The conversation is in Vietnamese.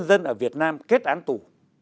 những người dân dân ở việt nam kết án tù